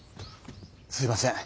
すいません。